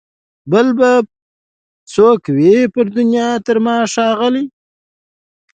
بل به څوک وي پر دنیا تر ما ښاغلی